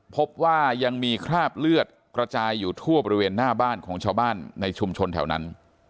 พบว่ายังมีคราบเลือดกระจายอยู่ทั่วบริเวณหน้าบ้านของชาวบ้านในชุมชนแถวนั้น